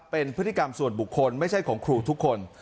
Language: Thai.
เป็นพฤติกรรมส่วนบุคคลไม่ใช่ของครูทุกคน